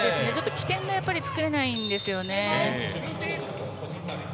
起点がやっぱり作れないんですよね。